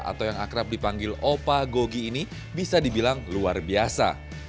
atau yang akrab dipanggil opa gogi ini bisa dibilang luar biasa